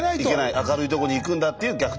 明るいとこに行くんだっていう「逆転人生」。